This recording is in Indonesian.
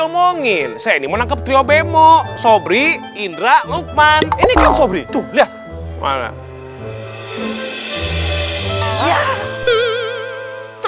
ngomongin saya ini menangkap pria bemo sobri indra lukman ini tuh lihat